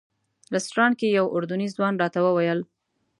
رسټورانټ کې یو اردني ځوان راته وویل.